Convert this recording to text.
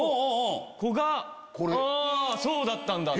そうだったんだ！